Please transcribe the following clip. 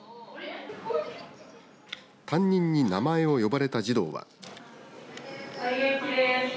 担任に名前を呼ばれた児童は。